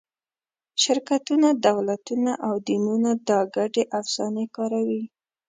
شرکتونه، دولتونه او دینونه دا ګډې افسانې کاروي.